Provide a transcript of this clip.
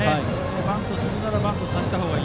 バントするならバントさせた方がいい。